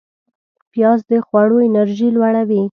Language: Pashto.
پیاز د خواړو انرژی لوړوي